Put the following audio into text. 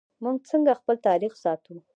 موږ څنګه خپل تاریخ ساتو؟